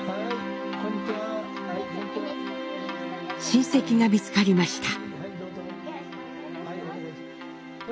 親戚が見つかりました。